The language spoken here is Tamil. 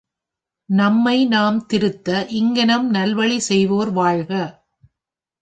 நம்மைநாம் திருத்த இங்ஙன் நல்வழி செய்வோர் வாழ்க!